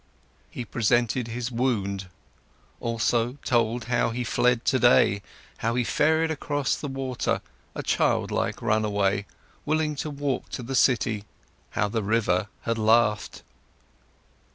He presented his wound, also told how he fled today, how he ferried across the water, a childish run away, willing to walk to the city, how the river had laughed.